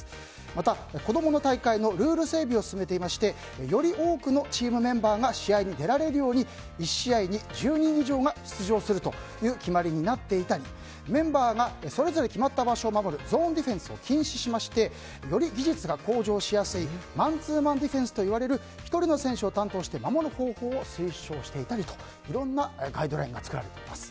また、子供の大会のルール整備を進めていましてより多くのチームメンバーが試合に出られるように１試合に１０人以上が出場する決まりになっていたりメンバーがそれぞれ決まった場所を守るゾーンディフェンスを禁止しましてより技術が向上しやすいマンツーマンディフェンスという１人の選手を担当して守る方法を推奨していたりといろんなガイドラインが作られています。